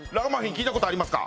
聞いたことありますか。